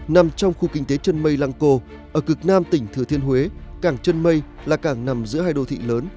nằm trong khu kinh tế chân mây lăng cô ở cực nam tỉnh thừa thiên huế cảng chân mây là cảng nằm giữa hai đô thị lớn